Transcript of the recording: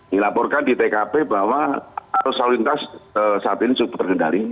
dilaporkan di tkp bahwa arus lalu lintas saat ini cukup terkendali